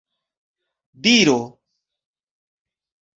diro